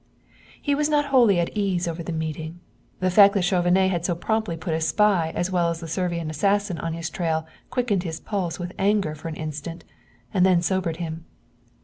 He was not wholly at ease over the meeting. The fact that Chauvenet had so promptly put a spy as well as the Servian assassin on his trail quickened his pulse with anger for an instant and then sobered him.